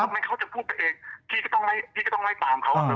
ทุกครั้งมันจะพูดไปเองพี่ก็ต้องไล่ตามเขา